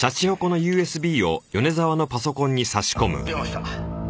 出ました。